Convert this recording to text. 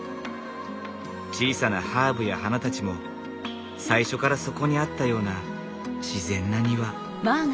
小さなハーブや花たちも最初からそこにあったような自然な庭。